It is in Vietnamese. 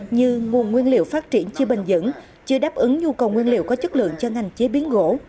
như nguồn nguyên liệu phát triển chưa bình dững chưa đáp ứng nhu cầu nguyên liệu có chất lượng cho ngành chế biến gỗ